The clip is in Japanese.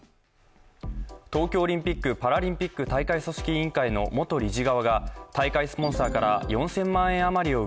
東京オリンピック・パラリンピック大会組織委員会の元理事側が大会スポンサーから４０００万円余りを